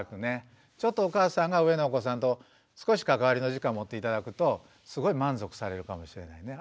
ちょっとお母さんが上のお子さんと少し関わりの時間持って頂くとすごい満足されるかもしれないね。